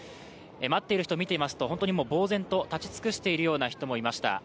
待っている人見ていますと本当に呆然と立ち尽くしているような人もいました。